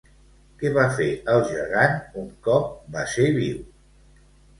Què va fer el gegant un cop va ser viu?